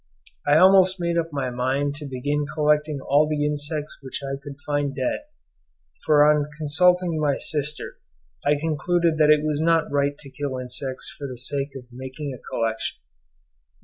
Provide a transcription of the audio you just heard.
I almost made up my mind to begin collecting all the insects which I could find dead, for on consulting my sister I concluded that it was not right to kill insects for the sake of making a collection.